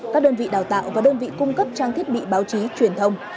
các đơn vị đào tạo và đơn vị cung cấp trang thiết bị báo chí truyền thông